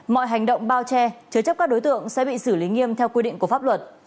mọi hành động bao che chứa chấp các đối tượng sẽ bị xử lý nghiêm theo quy định của pháp luật